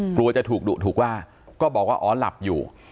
กลัวจะถูกดุถูกว่าก็บอกว่าอ๋อหลับอยู่